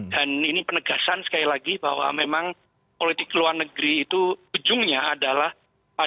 dan ini penegasan sekali lagi bahwa memang politik luar negeri itu ujungnya adalah pada welfare ya